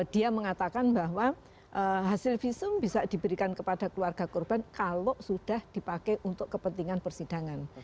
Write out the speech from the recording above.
dia mengatakan bahwa hasil visum bisa diberikan kepada keluarga korban kalau sudah dipakai untuk kepentingan persidangan